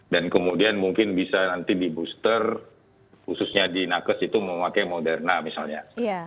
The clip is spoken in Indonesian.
dan kemudian mungkin bisa nanti di booster khususnya di nakes itu memakai moderna misalnya